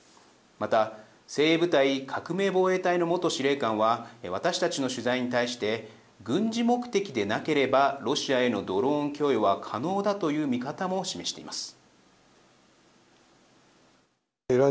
また、精鋭部隊・革命防衛隊の元司令官は私たちの取材に対して軍事目的でなければロシアへのドローン供与は可能だという見方も示しています。